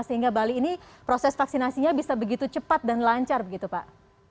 sehingga bali ini proses vaksinasinya bisa begitu cepat dan lancar begitu pak